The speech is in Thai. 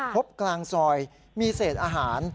พบกลางซอยมีเศษอาหาร